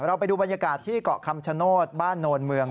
ไปดูบรรยากาศที่เกาะคำชโนธบ้านโนนเมือง